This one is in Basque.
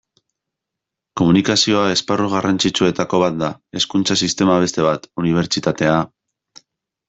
Komunikazioa esparru garrantzitsuetako bat da, hezkuntza sistema beste bat, unibertsitatea...